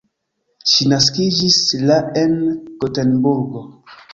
Ŝi naskiĝis la en Gotenburgo.